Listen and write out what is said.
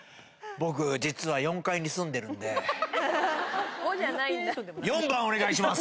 僕、実は４階に住んでるんで、４番お願いします！